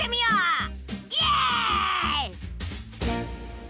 イエイ！